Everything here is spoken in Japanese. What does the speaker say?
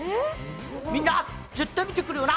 みんな、絶対見てくれよな！